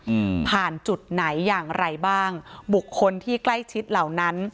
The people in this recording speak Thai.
อืมผ่านจุดไหนอย่างไรบ้างบุคคลที่ใกล้ชิดเหล่านั้น